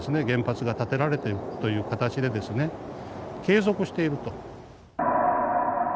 原発が建てられていくという形でですね継続していると。